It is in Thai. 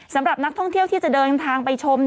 สำหรับนักท่องเที่ยวที่จะเดินทางไปชม